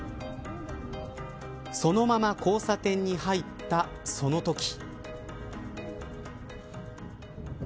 そのまま交差点に入ったそのとき。